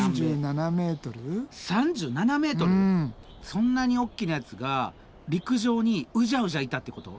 そんなに大きなやつが陸上にうじゃうじゃいたってこと？